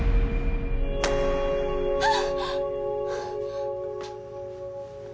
あっ！